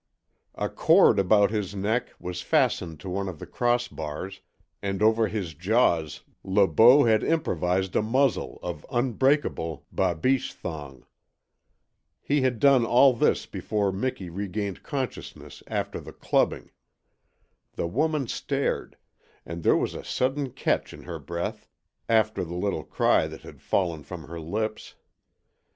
A cord about his neck was fastened to one of the crossbars, and over his jaws Le Beau had improvised a muzzle of unbreakable BABICHE thong. He had done all this before Miki regained consciousness after the clubbing. The woman stared, and there was a sudden catch in her breath after the little cry that had fallen from her lips.